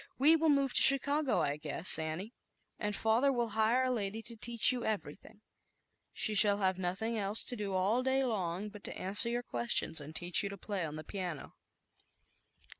we will move T A j r _u cago, I guess, Annie, and rather ZAUBERLINDA, THE WISE WITCH will hire a lady to teach you everythin She shall have nothing else to do all day long but to answer your questions and teach you to play on the piano."